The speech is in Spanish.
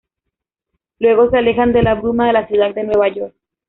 Luego se alejan de la bruma de la ciudad de Nueva York.